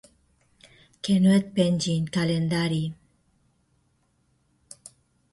Que no et pengin, calendari!